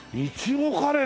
苺カレー。